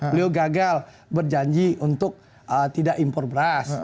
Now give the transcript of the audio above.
beliau gagal berjanji untuk tidak impor beras